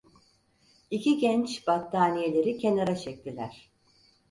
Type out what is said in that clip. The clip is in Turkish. İki genç battaniyeleri kenara çektiler.